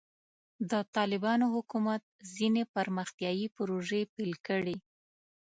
د طالبانو حکومت ځینې پرمختیایي پروژې پیل کړې.